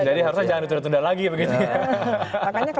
jadi harusnya jangan ditunda tunda lagi ya